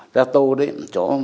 gia tô đấy